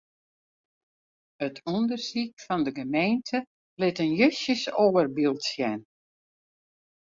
It ûndersyk fan 'e gemeente lit in justjes oar byld sjen.